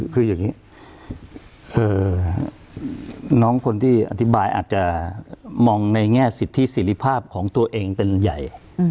คืออย่างนี้น้องคนที่อธิบายอาจจะมองในแง่สิทธิสิริภาพของตัวเองเป็นใหญ่